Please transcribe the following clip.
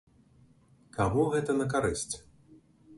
Каму гэта на карысць?